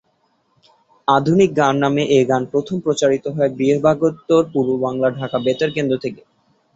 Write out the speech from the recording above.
আধুনিক গান নামে এ গান প্রথম প্রচারিত হয় বিভাগোত্তর পূর্ববাংলার ঢাকা বেতার কেন্দ্র থেকে।